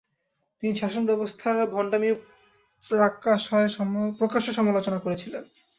তিনি শাসন ব্যবস্থার ভণ্ডামির প্রাকাশ্য় সমালোচনা করেছিলেন।